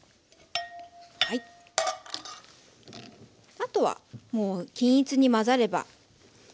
あとはもう均一に混ざればできます。